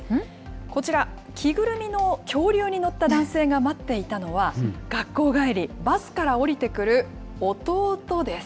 こちら、着ぐるみの恐竜に乗った男性が待っていたのは、学校帰り、バスから降りてくる弟です。